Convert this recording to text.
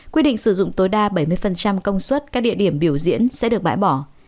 quy định sử dụng tối đa bảy mươi công suất các địa điểm biểu diễn sẽ được bãi bỏ